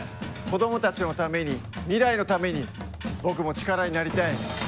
子どもたちのために未来のために僕も力になりたい！